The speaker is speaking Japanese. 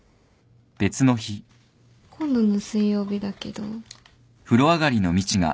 今度の水曜日だけど。